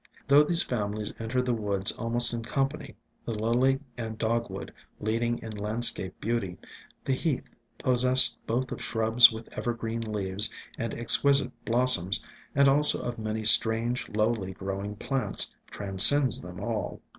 Though these fami lies enter the woods almost in company, the Lily and Dogwood leading in landscape beauty, the Heath, IN SILENT WOODS QQ possessed both of shrubs with evergreen leaves and exquisite blossoms and also of many strange, lowly growing plants, transcends them all.